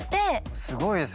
すごいです。